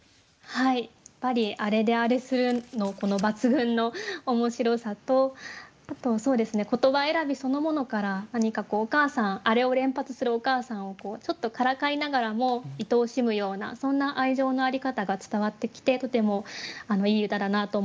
やっぱり「あれであれする」のこの抜群の面白さとあと言葉選びそのものから「あれ」を連発するお母さんをちょっとからかいながらもいとおしむようなそんな愛情の在り方が伝わってきてとてもいい歌だなと思いました。